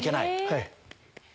はい。